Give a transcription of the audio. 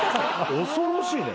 恐ろしいね。